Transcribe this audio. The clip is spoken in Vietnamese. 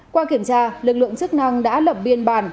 qua kiểm tra lực lượng chức năng đã lập biên bản